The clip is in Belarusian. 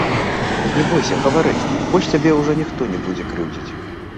Не бойся, гавары, больш цябе ўжо ніхто не будзе крыўдзіць.